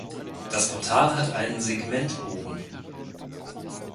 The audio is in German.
Das Portal hat eine Segmentbogen.